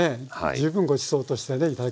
十分ごちそうとしてね頂けますよね。